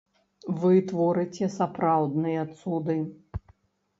Вы творыце сапраўдныя цуды.